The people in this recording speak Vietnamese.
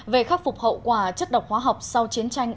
về khắc phục hậu quả chất độc hóa học sau chiến tranh